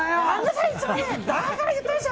だから言ったでしょ！